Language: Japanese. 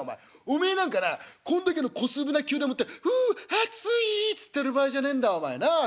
おめえなんかなこんだけの小粒な灸でもって『ふう熱い』っつってる場合じゃねえんだお前なあ。